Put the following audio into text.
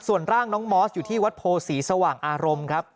ส่วนร่างน้องมอสอยู่ที่วัดโพศีสว่างอารมณ์ครับ